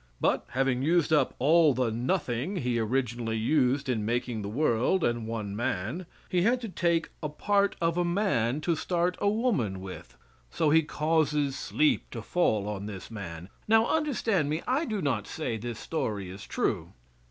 But having used up all the nothing He originally used in making the world and one man, He had to take a part of a man to start a woman with. So He causes sleep to fall on this man now understand me, I do not say this story is true.